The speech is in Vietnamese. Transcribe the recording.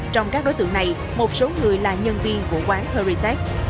trong các đối tượng này một số người là nhân viên của quán heritage